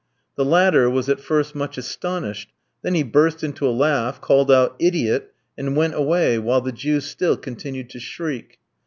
The latter was at first much astonished; then he burst into a laugh, called out, "Idiot!" and went away, while the Jew still continued to shriek.